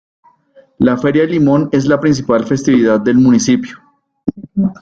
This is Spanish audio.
La feria del limón es la principal festividad del municipio.